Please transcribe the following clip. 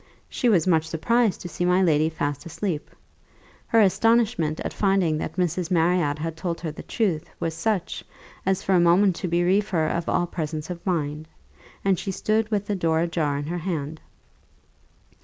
She was much surprised to see my lady fast asleep. Her astonishment at finding that Mrs. Marriott had told her the truth was such, as for a moment to bereave her of all presence of mind, and she stood with the door ajar in her hand.